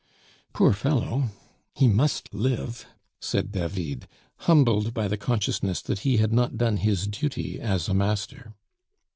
"Poor fellow! he must live," said David, humbled by the consciousness that he had not done his duty as a master.